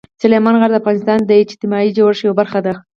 سلیمان غر د افغانستان د اجتماعي جوړښت یوه برخه ده.